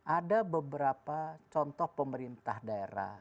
ada beberapa contoh pemerintah daerah